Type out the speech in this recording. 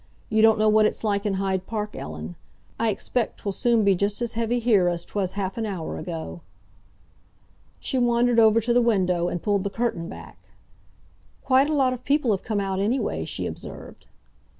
"You don't know what it's like in Hyde Park, Ellen. I expect 'twill soon be just as heavy here as 'twas half an hour ago!" She wandered over to the window, and pulled the curtain back. "Quite a lot of people have come out, anyway," she observed.